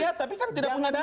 iya tapi kan tidak ada data